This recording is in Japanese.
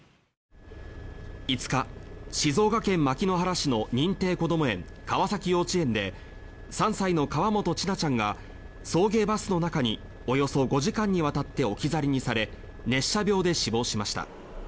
５日、静岡県牧之原市の認定こども園、川崎幼稚園で３歳の河本千奈ちゃんが送迎バスの中におよそ５時間にわたって置き去りにされ熱射病で死亡しました。